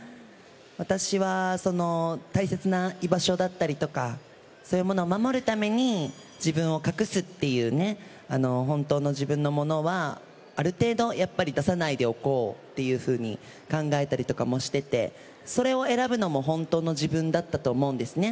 私はその、大切な居場所だったりとか、そういうものを守るために自分を隠すっていうね、本当の自分のものは、ある程度やっぱり出さないでおこうっていうふうに考えたりとかもしてて、それを選ぶのも本当の自分だったと思うんですね。